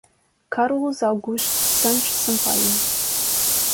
Carlos Augusto Santos Sampaio